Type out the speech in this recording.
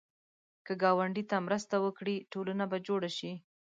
که ګاونډي ته مرسته وکړې، ټولنه به جوړه شي